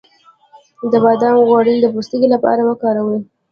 د بادام غوړي د پوستکي لپاره وکاروئ